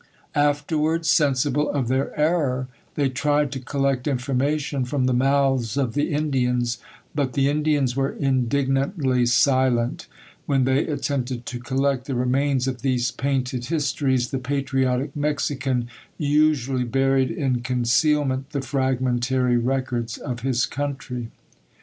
Afterwards, sensible of their error, they tried to collect information from the mouths of the Indians; but the Indians were indignantly silent: when they attempted to collect the remains of these painted histories, the patriotic Mexican usually buried in concealment the fragmentary records of his country.